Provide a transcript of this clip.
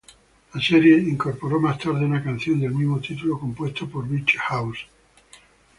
La serie incorporó más tarde una canción del mismo título compuesta por Beach House.